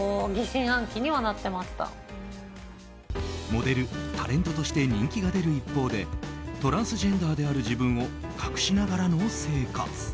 モデル、タレントとして人気が出る一方でトランスジェンダーである自分を隠しながらの生活。